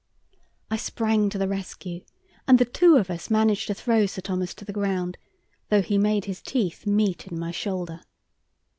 I sprang to the rescue, and the two of us managed to throw Sir Thomas to the ground, though he made his teeth meet in my shoulder.